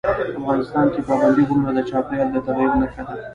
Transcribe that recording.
افغانستان کې پابندی غرونه د چاپېریال د تغیر نښه ده.